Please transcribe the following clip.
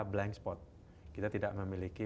blank spot kita tidak memiliki